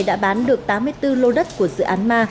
đã bán được tám mươi bốn lô đất của dự án ma